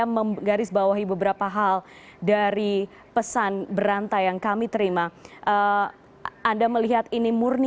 bersama bapak bapak sekalian